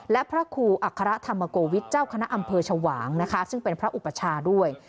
และพระครูอัครธรรมโกวิทย์เจ้าคณะอำเภอชวางนะคะซึ่งเป็นพระอุปชาด้วย